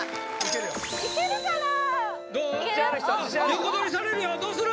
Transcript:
横取りされるよどうする？